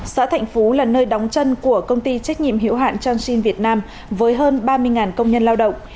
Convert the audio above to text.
xã thạnh phú là nơi đóng chân của công ty trách nhiệm hiệu hạn chancin việt nam với hơn ba mươi công nhân lao động